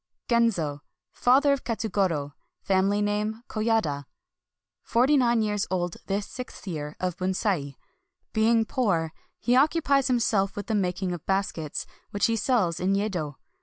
Genzo. — Father of Katsugoro. Family name, Koyada. Forty nine years old this sixth year of Bunsei. Being poor, he occu pies himself with the making of baskets, which he sells in Yedo.